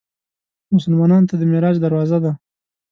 مسلمانانو ته د معراج دروازه ده.